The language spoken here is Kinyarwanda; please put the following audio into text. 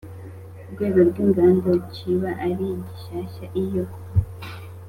Rwego rw inganda ciba ari gishyashya iyo